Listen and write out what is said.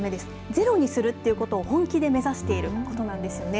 ゼロにするということを本気で目指していることなんですよね。